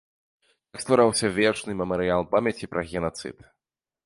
Так ствараўся вечны мемарыял памяці пра генацыд.